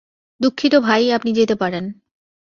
দুঃখিত ভাই, আপনি যেতে পারেন।